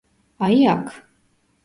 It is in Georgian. აი, აქ.